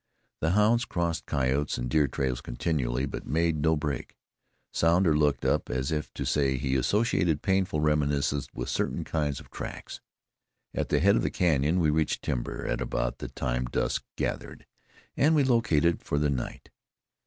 The hounds crossed coyote and deer trails continually, but made no break. Sounder looked up as if to say he associated painful reminiscences with certain kinds of tracks. At the head of the canyon we reached timber at about the time dusk gathered, and we located for the night.